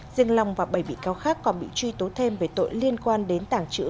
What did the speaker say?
diêng long và bảy bị cáo khác còn bị truy tố thêm về tội liên quan đến tàng trữ